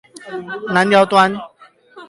南寮端